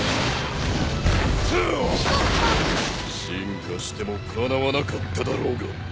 進化してもかなわなかっただろうが。